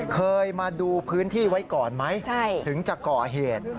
เคยมาดูพื้นที่ไว้ก่อนไหมถึงจะก่อเหตุ